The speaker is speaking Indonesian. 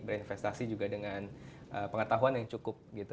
berinvestasi juga dengan pengetahuan yang cukup gitu